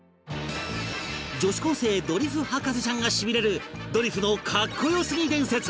女子高生ドリフ博士ちゃんがしびれるドリフの格好良すぎ伝説